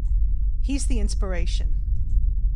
He's the inspiration.